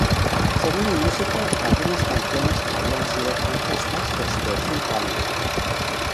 Según el músico, algunas canciones habían sido compuestas desde cinco años atrás.